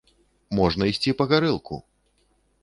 Можна ісці па гарэлку!